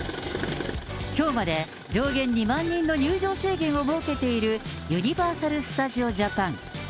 きょうまで上限２万人の入場制限を設けているユニバーサル・スタジオ・ジャパン。